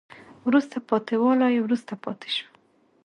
وروسته پاتې والی وروسته پاتې شوه